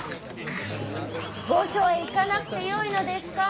御所へ行かなくてよいのですか。